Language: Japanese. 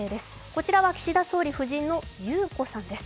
こちらは岸田総理夫人の裕子さんです。